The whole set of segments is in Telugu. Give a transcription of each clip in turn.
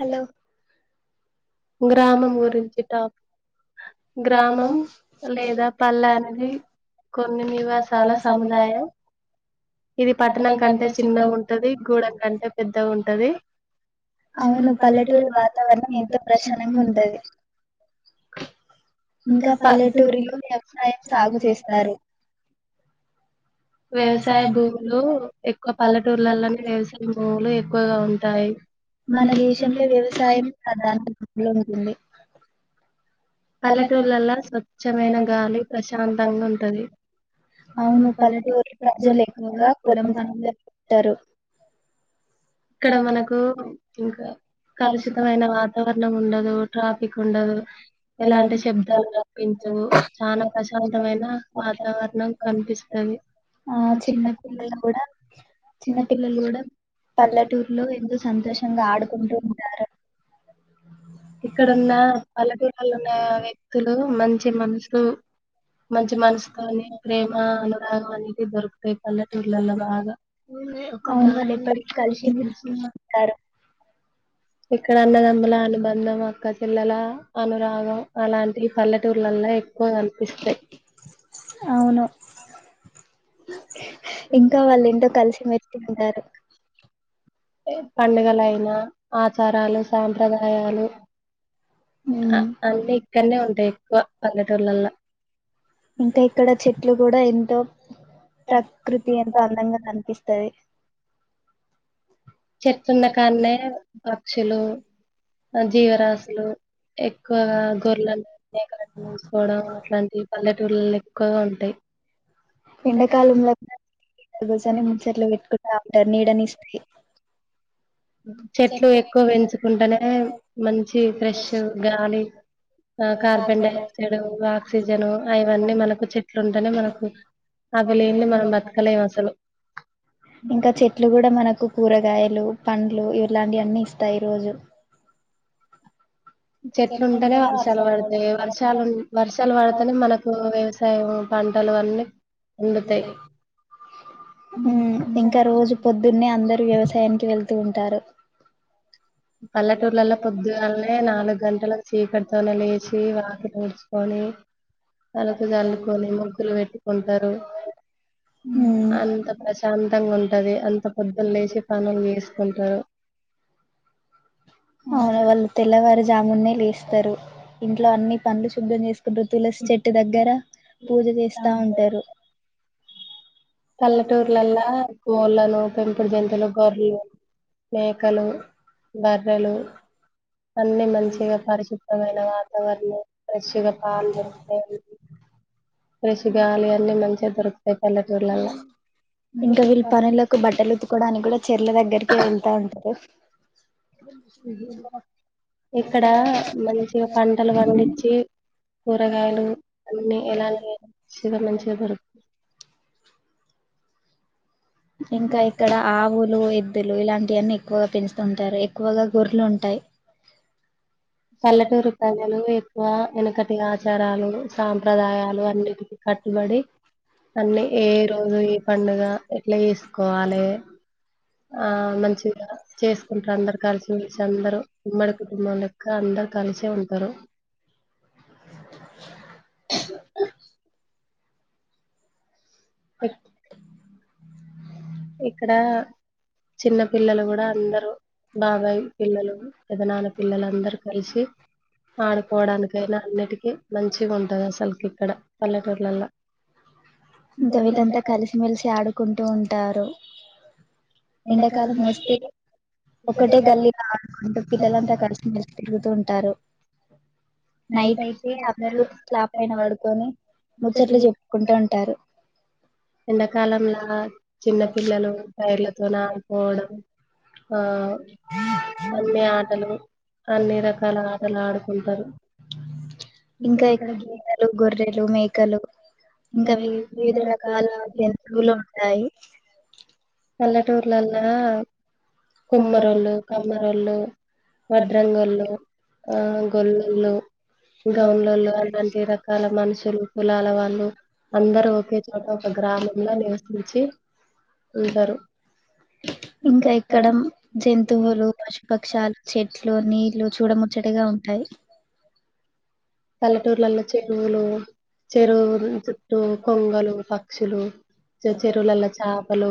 హలో గ్రామం గురించి టాపిక్ గ్రామం లేదా పల్లె అనేది కొన్ని నివాసాల సముదాయం ఇది పట్టణం కంటే చిన్నగా ఉంటది గూడెం కంటే పెద్దగా ఉంటది అవును పల్లెటూరు వాతవరణం ఎంతో ప్రశాంతంగా ఉంటది ఇంకా పల్లెటూరులో వ్యవసాయం సాగు చేస్తారు వ్యవసాయ భూములు ఎక్కువ పల్లెటూరులల్లనే వ్యవసాయ భూములు ఎక్కువగా ఉంటాయి మన దేశంలో వ్యవసాయమే ప్రధా లో ఉంది పల్లెటూళ్లల స్వచ్ఛమైన గాలి ప్రశాంతంగా ఉంటది అవును పల్లెటూరులో ప్రజలు ఎక్కువగా పొలం పనులే చేస్తూంటారు ఇక్కడ మనకు ఇంకా కలుషితమైన వాతావరణం ఉండదు ట్రాఫిక్ ఉండదు ఎలాంటి శబ్దాలు కనిపించవు చాలా ప్రశాంతమైన వాతావరణం కనిపిస్తది ఆ చిన్నపిల్లలు కూడా చిన్నపిల్లలు కూడా పల్లెటూరులో ఎంతో సంతోషంగా ఆడుకుంటూ ఉంటారు ఇక్కడున్న పల్లెటూరులలో ఉన్న వ్యక్తులు మంచి మనసు మంచి మనసుతోనే ప్రేమ అనురాగం అనేది దొరుకుతాయి పల్లెటూర్లల్లో బాగా కలిషి మెలిసి ఇక్కడ అన్నదమ్ములా అనుబం ఉన్నం అక్కచె పిల్లల అనురాగం అలాంటి పల్లెటూరులల్ల ఎక్కువ కని పిస్తయి అవును [inaudible] ఇంకా వాళ్ళు ఎంతో కలిసి మెలిసి ఉంటారు టే పండుగల అయినా అ సరాలు సాంప్రదాయాలు అన్నీ ఇక్కనే ఉంటాయి ఎక్కువ పల్లెటూర్లల్లో ఇంకా ఇక్కడ చెట్లు కూడా ఎంతో ప్రకృతి ఎంతో అందంగా కనిపిస్తది చెట్లున్నకాన్నే పక్షులు జీవరాశులు ఎక్కువగా గొర్రెలను మేకలను తీసుకోవడం అట్లాంటి పల్లె [unintelligible] ఉంటాయి ఎండాకాలంలో రోజనే ముచ్చట్లు పెట్టుకుంటా ఉంటారు నీడనిస్తయి చెట్లు ఎక్కువ పెంచుకుంటేనే మంచి ఫ్రెష్ గాలి ఆ కార్బన్ డైఆక్సైడ్ ఆక్సిజన్ అవన్నీ మనకు చెట్లు ఉంటా అంటనే మనకు అవి లేంది మనం బతకలేం అసలు ఇంకా చెట్లు కూడా మనకు కూరగాయలు పండ్లు ఇవిలాంటి అన్నీ ఇస్తాయి ఈరోజు చెట్లుంటేనే వర్షాలు పడతాయి వర్షాలు వర్షాలు పడతేనే మనకు వ్యవస్ రా పంటలు అన్నీ వండుతాయి ఇంకా చెప్పు వతూ ఉంటారు పల్లెటూర్లలో పొద్దుగాలనే నాలుగు గంటలకు చీకటితోనే లేచి వాకిలోడ్ పోనీ తలకు జల్లుకొని ముగ్గులు పెట్టుకుంటారు అంత ప్రశాంతంగా ఉంటది అంత పొద్దున్న లేసి పనులు వేసుకుంటారు అవును వాళ్ళు తెల్లవారు జామున్నా వేస్తారు ఇంట్లో అన్ని పనులు శుభ్రం చేసు ప్పు తులసి చెట్టు దగ్గర పూజ చేస్తా ఉంటారు కల్లటూర్లలా కోలాను పెంపుడు జంతువులు గార్లు మేకలు బర్రెలు అన్ని మంచిగా పరిశుభ్రమైన వాతావరణం ఫ్రెష్గా పా వస్త ఫ్రష్ గాలి అన్నీ మంచిగా దొరుకుతయి ఇంకా వీళ్ళు పనులకు బట్టలు ఉతుకోవడానికి కూడా చెర్ల దగ్గరికే వెళ్తా ఉంటారు ఇక్కడ మంచిగా పంటలు వండిచ్చి ఏ చే కూరగాయలు అన్ని ఎలాంటి చిగా మంచిగా దరుతుంది ఇంకా ఇక్కడ ఆవులు ఎద్దులు ఇలాంటివన్నీ ఎక్కువగా పెంచుంటారు ఎక్కువగా గొరలు ఉంటాయి పల్లటూరుపాయలు ఎక్కువ వెనకటి ఆచారాలు సాంప్రదాయాలు అన్నిటి కట్టుబడి అన్ని ఏ రోజు ఏ పడుగ ఎట్లా చేసు సుకోవాలి ఆ మంచిగా చేసుకుంటారు అందరు కలిసి వసిి అందరుూ ఉమ్మడి కుటుంబంలో ఇకా అందరు కలిసే ఉంటారు హుహు హు చెప్ ఇక్కడ చిన్న పిల్లలు కూడా అందరుూ బాబాయి్ పిల్లలు పెదనాన్నపిల్లందరికి కలిసి ఆడుకోవడానికైనా అన్నిటికీ మంచి ఉంటది అసలుకి ఇక్కడ ఇంకా వీళ్ళంతా కలిసిమెెలిసి ఆడుకుంటూ ఉంటారు ఓ ఎండకాలం వస్తే ఒక్కటే గల్లి ల ఆడుకుంటు పిల్లలు అంతా కలిసి మెలిసి తిరుగుతు ఉంటారు స నైట్ [unintelligible] ట ప్ పైన పడుకొని ముచ్చట్లు చెప్పుకుంటూ ఉంటారు. ఎండా కాలం లాగ చిన్న పిల్లలు టైర్లతో నీ ఆడు కోవడం ఆ అన్ని ఆటలు ఇంకా [inaudible] డలు గొర్రెలు మేకలు ఇంకా వి వివిధ రకాల జంతువులు ఉంటాయి. పల్లెటూరు లల్ల కుమ్మరోల్ళు కమ్మరొల్ళు వడ్రంగొల్లు ఆ గొల్లు లు గౌన్ లొల్లు అందరు అన్నిరకాల మనుషులు కులాల వాళ్ళు అందరు ఒకే చోట ఒక గ్రామంలో నివసించి ఇంకా ఇక్కడ జంతువులు పశుపక్షాలు చెట్లు నీళ్లు చూడముచ్చడిగా ఉంటాయి. పల్లెటూర్లలో చెరువులు చెరువు లు కొంగలు పక్షులు చెరువులల్ల చేపలు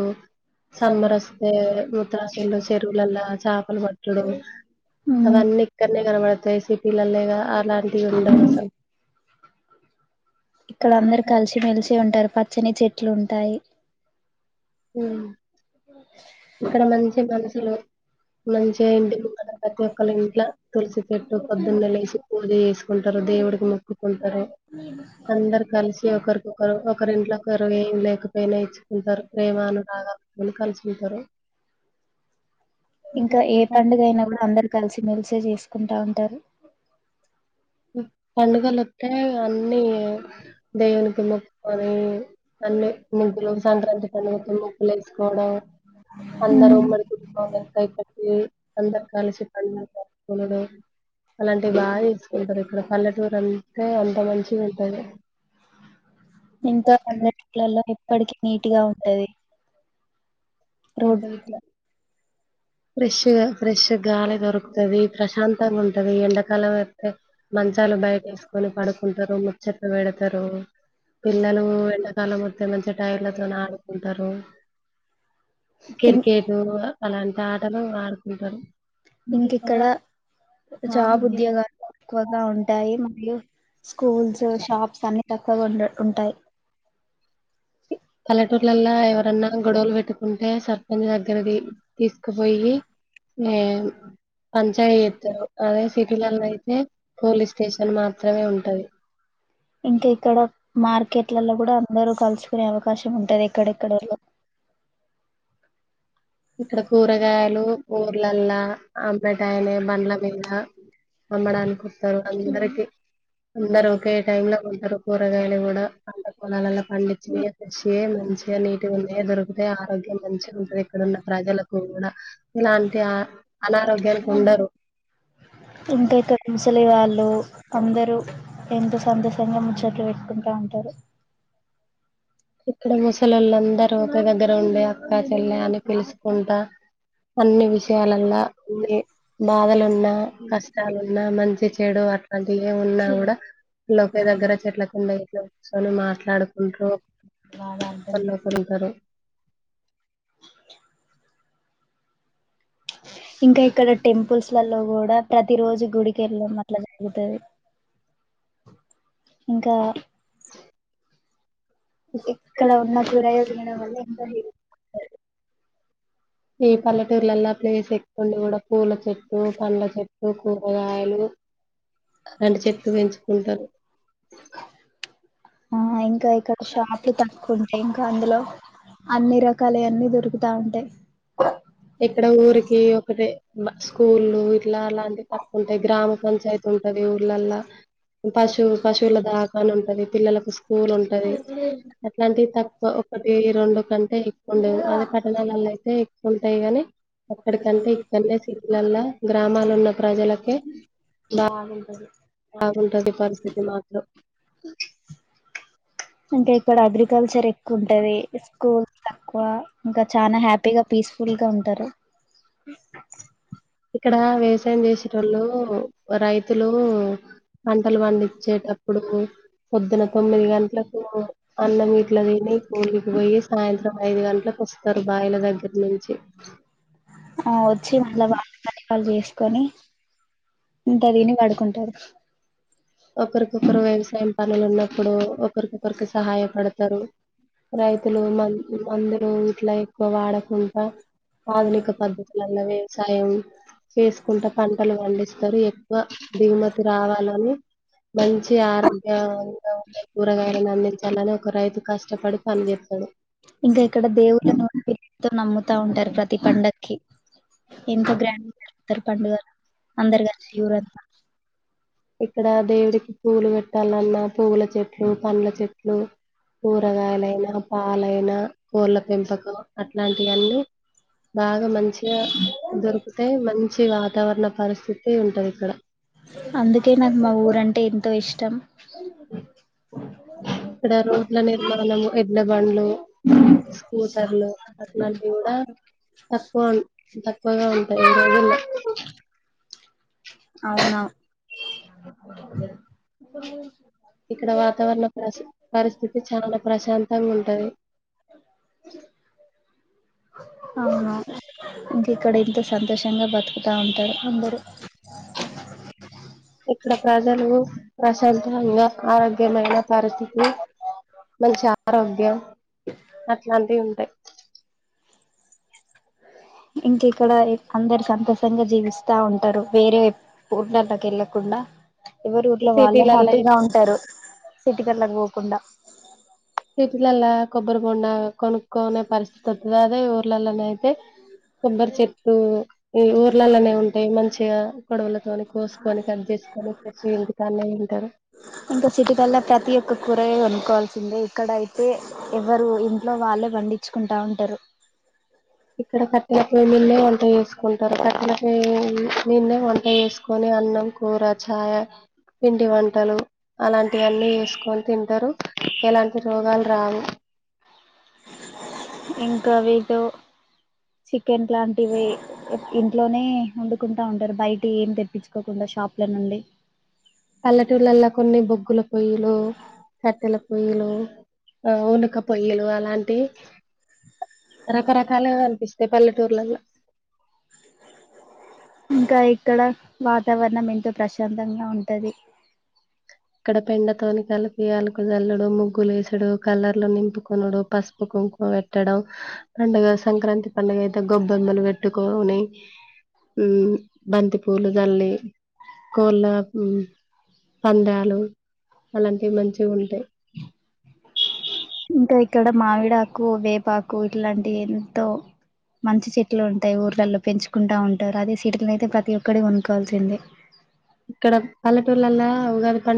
సమ్మరోస్తే మూత్ర సంలో చెరువులల్లా చేపల వట్టుడు అవన్నీ నే కనబడాతాయి లాల్లెగా అలాంటి వ ఉండవ్ అసలు ఇక్కడ అందరు కలిసి మెలిసి ఉంటారు. పచ్చని చెట్టు ట్లుంటాయి హ్ ఇక్కడ మంచి మనసులు మంచిగా ఇంటి ముంగాట మన ప్రతి ఒక్కల ఇంట్ల తులసి చేట్టు పొద్దున్నే లేసి పూజ చేసుకుంటారు. దేవుడికి మొక్కుకుంటారు. అందరు కలిసి ఒకరికొకరు ఒకరింట్ల ఒకరు ఏం లేక ఏం నేర్చుకుంటారు ప్రేమాను రాగాల తోని కలిసి ఉంటారు. ఇంకా ఏ పండుగ అయినా కూడా అందరు కలిసి మెలిసే చేస్ కుంటా ఉంటారు పండగలొత్తే అన్నీ దేవునికి మొక్కుకొని అన్ని ముగ్గులు సంక్రాంతి పండుగతో ముగ్గులేసుకోవడం అందరు ఉమ్మడి కుటుంబం లెక్క కట్టి అందరు కలిసి పంలు పెటుకోనడం అలాంటి బాగా వుంటరు ఇక్కడ పల్లెటూరు అంతే అంత మంచిగుంటదో ఇంకా లలో ఇప్పటికి నీటుగా ఉంటది ఎంత వీట్ల ఫ్రెష్గా ఫ్రెష్ గాలి దొరుకుతది ప్రశాంతంగా ఉంటది ఎండ కలవ మంచాలు బయట యేసుకొని పడుకుంటారు ముచ్చప్ప పెడతారు పిల్లలు ఎంకాలం వద్దే మంచిగా టైర్లతో ఆడుకుంటారు కిర్ కెట్ కెట్ అలాంటి ఇంకిక్కడ జాబ్ ఉద్యోగాలు ఎక్కువగా ఉంటాయి ఇగ స్కూల్స్ షాప్స్ అనే ఎక్కవగా ఉంటాయి పలెటూర్లల్లో ఎవరన్నా గొడవలు పెట్ ఉంటే సర్పంచ్ దగ్గర దీ తీసుకపోయి పంచాయత్ అదే సిటీలలో అయితే పోలీస్ స్టేషన్ మాత్రమే ఉంటది కునే అవకాశం ఉంటది ఎక్కడెక్కడ ఇక్కడ కూరగాయలు ఊర్లలా అమ్మెటల్ల బండ్ల మింద అమ్మడానికొత్తరు అందరికి అందరు ఒకే టైమ్ లో ఉంటారు కూరగాయలు కూడా పంట పొలాల్లో పండించి క మంచిగా నీటిగా ఉన్న దొరుకుతాయి ఆరోగ్యం మంచిగా ఉంటుది అక్కడున్న ప్రజలకు కూడా కా ముసలి వాల అందరు ఎంతో సంతోషంగా ముచ్చట్లు పెట్టుకుంటా ఉంటారు ఇక్కడ ముసలిళ్ళందరూ ఒక దగ్గర ఉండి అక్కా చెల్ల అని పిలుసుకుంటా అన్ని విషయాలలా ఏ బాధలున్నా కష్టాలున్నా మంచి చెడు అ అది ఏమున్నా కూడా వాళ్ళు ఒకేదగ్గరే చెట్లకు ఉన్నాయి కూర్చొని మాట్లాడుకుంటూ [inaudible] ఇంకా ఇక్కడ టెంపుల్స్ లల్లో కూడా ప్రతి రోజు గుడికెల్లే మట్ల [unintelligible] ఉంటది [inaudible] క్కడ ఉన్న పర విణ వల్ల ఇకా ఈ పల్లెటూర్లల్లా ప్లేస్ ఎక్కువ కూడా పూల చెట్టు పండ్ల చెట్టు కూరగాయలు [inaudible] ఆ ఇంకా ఇక షాప్లు తక్కు ఇంకా అందులో అన్ని రకాలవన్నీ దొరుకుతా ఉంటాయి ఇక్కడ ఊరికి ఒకటే స్కూళ్లు ఇట్లా అలాంటివి తక్కువ ఉంటాయి గ్రామ పంచాయతీ ఉంటది ఊళ్ళలో పశు పశువుల దావకాన ఉంటది పిల్లలకు స్కూల్ ఉంటది అట్లాంటివి తక్కువ ఒకటి రెండు కంటే ఎక్కువ ఉండేది అదే పట్టణాలలో ఎక్కువుటాయి గాని అక్కడకంటే ఇక్కడనే [inaudible] విల్లా గ్రామాలున్న ప్రజలకే బా బావుంటది పరిస్థితి మాత్రం ఇంక ఇక్కడ అగ్రికల్చర్ ఎక్కువ ఉంటది స్కూల్ ఎక్కువ ఇంకా చానా హ్యాపీగా పీస్ఫుల్ గా ఉంటారు ఇక్కడ వ్యవసాయం చేసేటోళ్ళు రైతులు పంటలు పండిచ్చేటప్పుడు పొద్దున తొమ్మిది గంటలకు అన్నం ఇట్లా తిని కూలికి పోయి సాయంత్రం ఐదు గంటలకు వస్తారు బాయిల దగ్గర నుంచి [inaudible] కాలు చేసుకొని ఇంకా తిని పడుకుంటారు ఒకరికొకరు వ్యవసాయం పనులున్నప్పుడు ఒకరికొకరికి సహాయపడతారు రైతులు మం మందులు ఇట్లా ఎక్కువ వాడకుండా ఆధునిక పద్ధతులల్లో వ్యవసాయం చేసుకుంటా పంటలు పండిస్తారు ఎక్కువ దిగుమతి రావాలని మంచి ఆరోగ్యంగా కూరగాయలను అందించాలనే ఒక రైతు కష్ [unintelligible] పడుతా అని చెప్పాడు నమ్ముతా ఉంటా [unintelligible] ప్రతి పండక్కి ఎంతో గ్రాండ్రు [unintelligible] పండుగలు అందరు [unintelligible] ఇక్కడ దేవుడికి పూలు పెట్టాల మా పువ్వుల చెట్లు పండ్ల చెట్లు కూరగాయలైన పాలైన కోళ్ల పెంపకం అట్లాంటివన్నీ బాగా మంచిగా దొరుకుతాయి మంచి గా వాతావరణ పరిస్థితి ఉంటది ఇక్కడ అందు కే నాకు మా ఊరంటే ఎంతో ఇష్ టం ఇక్కడ రోడ్ల నిర్మాణము ఎడ్నబండ్లు స్కూటర్లు అట్లాంటివి కూడా తక్కువ తక్కువగా ఉంటాయి అవును ఇక్కడ వాతావరణ పరి పరిస్థితి చాలా ప్రశాంతంగా ఉంటంది [unintelligible] ఇంక ఇక్కడ ఎంతో సంతోషంగా బతుకుతా ఉంటారు అందరూ ఇక్కడ ప్రజలు ప్రశాంత ంగా ఆరోగ్యమైన పరిస్థితి మంచి ఆరోగ్యం అట్లాంటి ఉంటాయి ఇంక ఇక్కడ అందరు సంతోషంగా జీవిస్తా ఉంటారు వేరే పూర్నటకెళ్ళకుండా ఎవరు ఊట్లో వాళ్ళే హ్యాపీగా ఉంటారు సిటిలల్ల కి పోకుండా సిటిల్లల్లా కొబ్బరి బోండ కొనుకునే పరిస్థితి వతది అదే ఊర్లళ్ళనైతే అయితే కొబ్బరి చెట్టు ఈ ఊర్లలోనే ఉంటాయి మంచిగా కొడవలతోని కోసుకొని కట్ చేసుకొని ఫ్రెష్ ఇంటికానే తింటారు కోవాల్సిందే ఇక్కడ అయితే ఎవరు ఇంట్లో వాళ్ళే పండించుకుంటా ఉంటారు ఇక్కడ కట్టెల పొయ నిన్నే వంట చేసుకుంటారు కట్టెల పోయి మీన్నే వంట చేసుకొని అన్నం కూర ఛాయ పిండి వంటలు అలాంటివన్నీ వేసుకొని తింటారు ఎలాంటి రోగాలు రావు ఇంకా వీతో చికెన్ లాంటివి ఇంట్లోనే వండుకుంటా ఉంటారు బయట ఏం తెప్పించుకోకుండా షాప్ల నుండి పల్లెటూర్లల్ల కొన్ని బొగ్గుల పొయ్యలు కట్టెల పొయ్యిలు ఆ ఉనుక పొయ్యలు అలాంటి రకరకాలుగా అనిపిస్తాయి పల్లెటూర్లల్లో ఇంకా ఇక్కడ వాతావరణం ఎంతో ప్రశాంతంగా ఉంటది ఇక్కడ పెండతోని కలిపి అలుకు జల్లుడు ముగ్గులు వేసడు కలర్లో నింపుకనుడు పసుపు కుంకుమ పెట్టడం పండడుగ సంక్రాంతి పండగ అయితే గొబ్బ బమ్మలు పెట్టుకోని ఉం బంతి పూలు జల్లి కోల్ల పందా అలాంటివి మంచిగా ఉంటాయి ఇంకా ఇక్కడ మామిడాకు వేపాకు ఇట్లాంటియి ఎంతో మంచి చెట్లు ఉంటాయి ఊర్లలో పెంచుకుంటా ఉంట్ రు అదే సీటిలనైతే ప్రతి ఒక్కటి కొనుకోవాల్సిందే ఇక్కడ పల్లెటూర్లల్ల ఉగాది పం